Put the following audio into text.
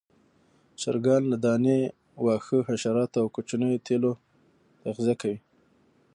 چرګان له دانې، واښو، حشراتو او کوچنيو تیلو تغذیه کوي.